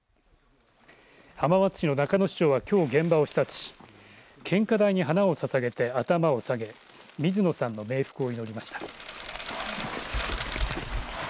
浜松市の中野市長はきょう現場を視察し献花台に花をささげて頭を下げ水野さんの冥福を祈りました。